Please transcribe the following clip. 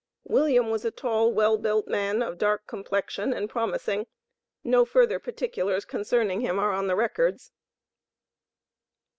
William was a tall, well built man, of dark complexion and promising. No further particulars concerning him are on the records.